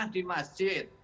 secara berjamaah di masjid